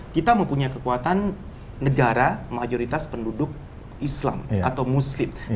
kita mempunyai kekuatan negara mayoritas penduduk islam atau muslim